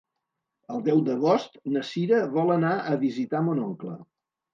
El deu d'agost na Cira vol anar a visitar mon oncle.